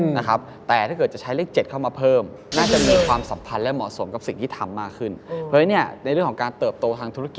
ในการจะใช้เกี่ยวกับเรื่องของการส่งออก